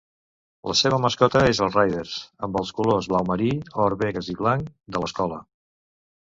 La seva mascota és el Raiders, amb els colors blau marí, or Vegas i blanc de l'escola.